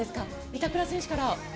板倉選手から。